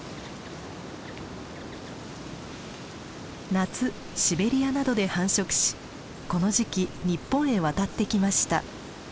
夏シベリアなどで繁殖しこの時期日本へ渡ってきました。